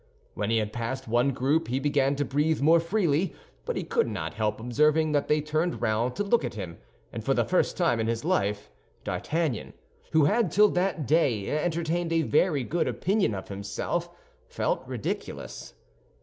When he had passed one group he began to breathe more freely; but he could not help observing that they turned round to look at him, and for the first time in his life D'Artagnan, who had till that day entertained a very good opinion of himself, felt ridiculous.